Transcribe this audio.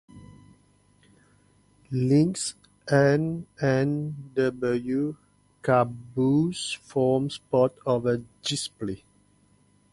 Link's N and W caboose forms part of the display.